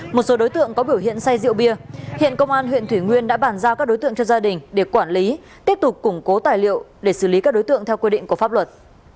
một số đối tượng có biểu hiện say rượu bia hiện công an huyện thủy nguyên đã bàn giao các đối tượng cho gia đình để quản lý tiếp tục củng cố tài liệu để xử lý các đối tượng theo quy định của pháp luật